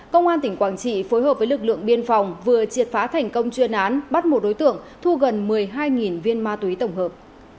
công an tỉnh quảng trị phối hợp với lực lượng biên phòng vừa triệt phá thành công chuyên án bắt một đối tượng thu gần một mươi hai viên ma túy tổng hợp